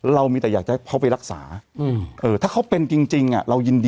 เรามีแต่อยากจะให้เขาไปรักษาถ้าเขาเป็นจริงเรายินดี